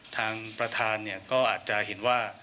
ทางประธานก็อาจจะเห็นว่า